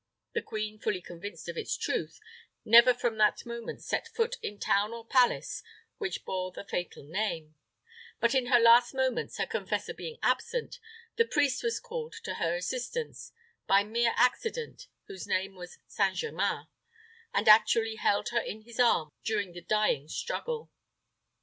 The queen, fully convinced of its truth, never from that moment set foot in town or palace which bore the fatal name; but in her last moments, her confessor being absent, a priest was called to her assistance, by mere accident, whose name was St. Germains, and actually held her in his arms during the dying struggle.